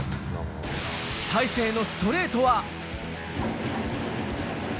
大勢のストレートは。